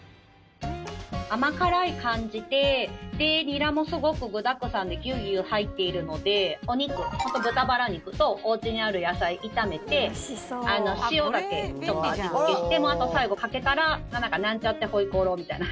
甘辛い感じでニラもすごく具だくさんでぎゅうぎゅう入っているのでお肉、豚バラ肉とおうちにある野菜を炒めて塩だけ味付けして、最後かけたらなんちゃってホイコーローみたいな。